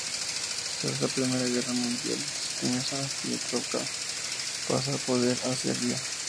Tras la Primera Guerra Mundial Sremska Mitrovica pasa a poder de Serbia.